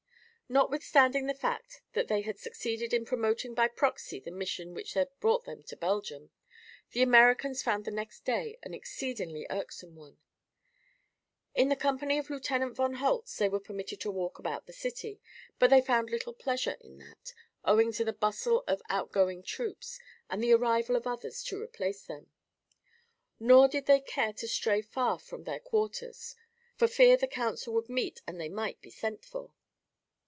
Notwithstanding the fact that they had succeeded in promoting by proxy the mission which had brought them to Belgium, the Americans found the next day an exceedingly irksome one. In the company of Lieutenant von Holtz they were permitted to walk about the city, but they found little pleasure in that, owing to the bustle of outgoing troops and the arrival of others to replace them. Nor did they care to stray far from their quarters, for fear the council would meet and they might be sent for.